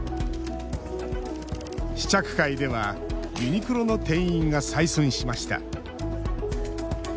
試着会ではユニクロの店員が採寸しました。